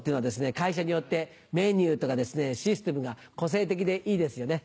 会社によってメニューとかシステムが個性的でいいですよね。